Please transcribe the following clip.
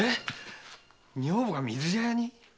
女房が水茶屋に？